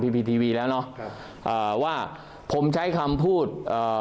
พีทีวีแล้วเนอะครับอ่าว่าผมใช้คำพูดเอ่อ